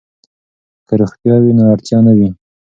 که روغتیا وي نو اړتیا نه وي.